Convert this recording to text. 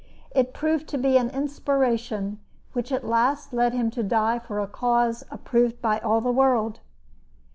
It proved to be an inspiration which at last led him to die for a cause approved by all the world.